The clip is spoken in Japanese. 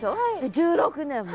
１６年も。